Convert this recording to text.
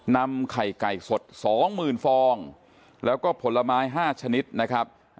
นำไข่ไก่สดสองหมื่นฟองแล้วก็ผลไม้ห้าชนิดนะครับ